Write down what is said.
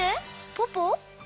ポポ？